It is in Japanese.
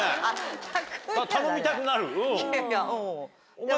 頼みたくなる。